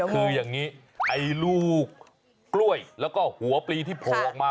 คืออย่างนี้ไอ้ลูกกล้วยแล้วก็หัวปลีที่โผล่ออกมา